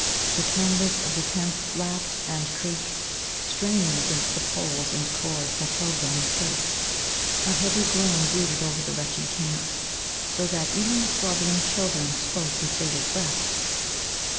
The canvas of the tents flapped and creaked, straining against the poles and cords that held them in place. A heavy gloom brooded over the wretched camp, so that even the squabbling children spoke with bated breath.